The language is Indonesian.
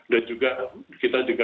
dan juga kita juga